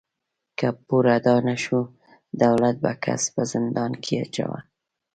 که پور ادا نهشو، دولت به کس په زندان کې اچاوه.